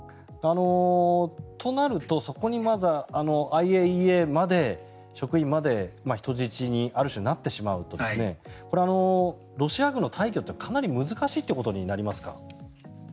となると、そこにまずＩＡＥＡの職員まで人質にある種、なってしまうとこれはロシア軍の退去ってかなり難しいってことになりますか？